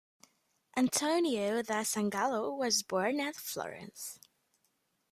Antonio da Sangallo was born at Florence.